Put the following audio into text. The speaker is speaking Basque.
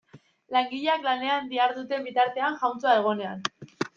Langileak lanean diharduten bitartean jauntxoa egonean.